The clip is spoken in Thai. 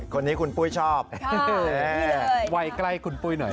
คนนี้คุณปุ้ยชอบวัยใกล้คุณปุ้ยหน่อย